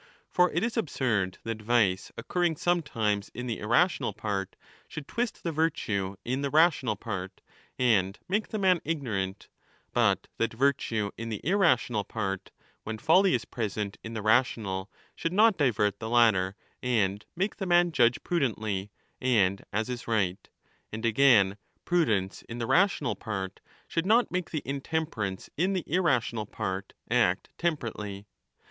For it is 20 absurd that vice occurring sometimes in the irrational part should twist the virtue in the rational part and make the man ignorant, but that virtue in the irrational part,^ when folly ^ is present^ in the rational, should not divert the latter and make the man judge j)rudently and as is right, and again, prudence in the rational part should not make the intemperance in the irrational part act temperately.